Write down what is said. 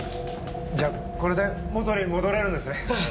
じゃあこれで元に戻れるんですね？